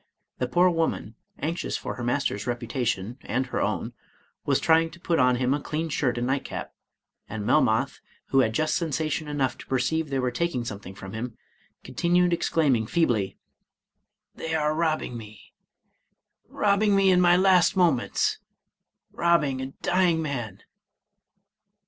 The poor woman, anxious for her master's reputation and her own, was trying to put on him a clean shirt and nightcap, and Melmoth, who had just sensation enough to perceive they were taking some i66 Charles Robert Maturin thing from him, continued exclaiming feebly, " They are robbing me, — robbing me in my last moments, — robbing a dying man.